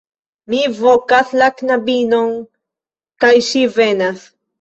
Mi vokas la knabinon, kaj ŝi venas.